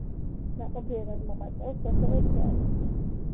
ნაყოფიერად მოღვაწეობს აგრეთვე თეატრში.